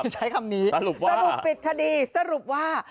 ใช้คำนี้สรุปปิดคดีสรุปว่า